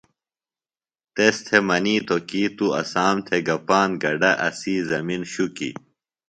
تس تھےۡ منِیتوۡ کی تُوۡ اسام تھےۡ گہ پاند گڈہ، اسی زمن شُکیۡ۔